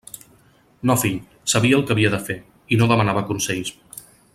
No, fill; sabia el que havia de fer, i no demanava consells.